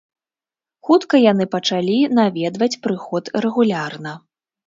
Хутка яны пачалі наведваць прыход рэгулярна.